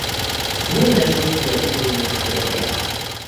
Dénes Zsófia írónő férje.